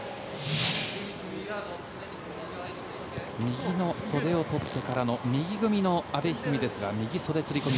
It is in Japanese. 右の袖を取ってからの右組みの阿部一二三ですが右袖釣り込み